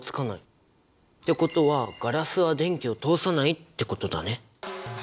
ってことはガラスは電気を通さないってことだね。